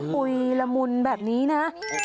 หุ้ยเป็นแบบนี้นะ